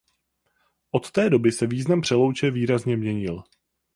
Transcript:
Od té doby se význam Přelouče výrazně měnil.